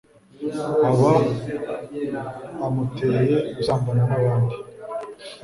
aba amuteye gusambana nabandi